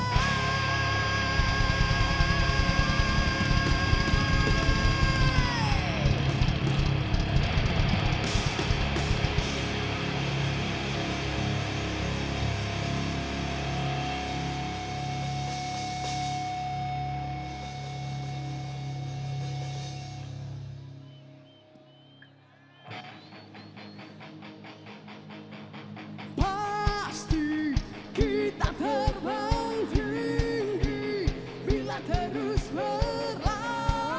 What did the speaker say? kami datang membawa perdamaian